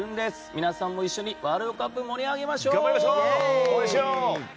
皆さんも一緒にワールドカップ盛り上げましょう！